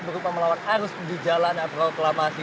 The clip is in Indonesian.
berupa melawan arus di jalan proklamasi